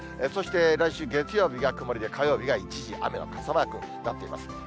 そして来週月曜日が曇りで、火曜日が一時雨の傘マークになっています。